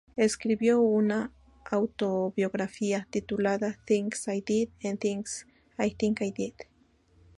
Escribió una autobiografía titulada "Things I Did and Things I Think I Did".